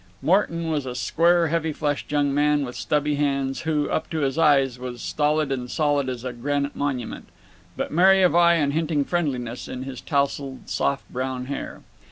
Morton was a square heavy fleshed young man with stubby hands, who, up to his eyes, was stolid and solid as a granite monument, but merry of eye and hinting friendliness in his tousled soft brown hair.